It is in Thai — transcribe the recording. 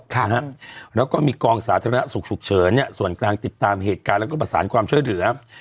แล้วก็มีกองสาธารณสุขฉือนี่ส่วนกลางติดตามเหตุการณ์แล้วก็ประสานความช่วยเหลือ